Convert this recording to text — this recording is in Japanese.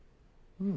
うん。